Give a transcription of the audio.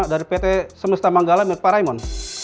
menolak tawaran kerja sama dari pt semesta manggala milik pak raimon